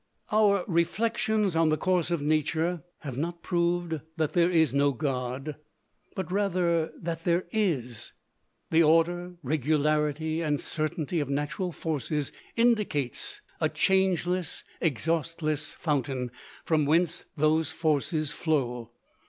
Our reflections on the course of Nature have not proved that there is no God, but rather that there is. The order, regularity and certainty of natural forces indicates a changeless, exhaustless fountain from whence those forces flow.